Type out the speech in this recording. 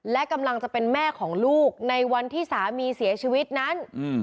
และกำลังจะเป็นแม่ของลูกในวันที่สามีเสียชีวิตนั้น